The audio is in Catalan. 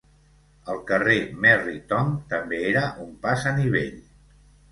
El carrer Merry Tom també era un pas a nivell.